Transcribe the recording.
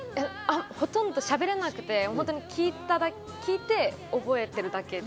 ほとんどしゃべれなくて聞いて覚えてるだけ。